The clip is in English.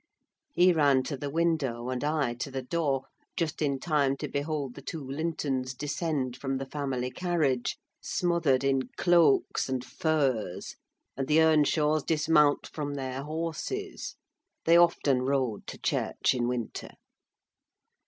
He ran to the window and I to the door, just in time to behold the two Lintons descend from the family carriage, smothered in cloaks and furs, and the Earnshaws dismount from their horses: they often rode to church in winter.